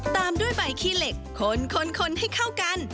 ตามด้วยใบขี้เหล็กคนให้เข้ากัน